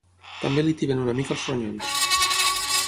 També li tiben una mica els ronyons.